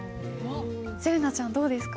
せれなちゃんどうですか？